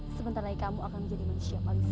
sebentar lagi kamu akan menjadi manusia paling siap